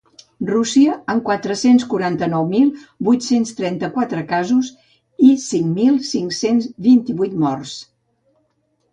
Rússia, amb quatre-cents quaranta-nou mil vuit-cents trenta-quatre casos i cinc mil cinc-cents vint-i-vuit morts.